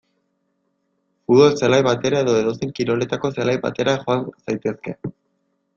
Futbol zelai batera edo edozein kiroletako zelai batera joan zaitezke.